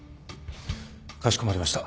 かしこまりました。